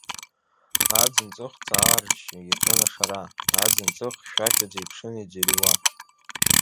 Аӡын ҵых ҵаарҷҷо иаҿын ашара, аӡын ҵых хьшәашәаӡа иԥшын иӡырҩуа.